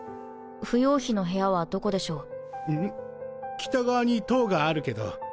北側に棟があるけど。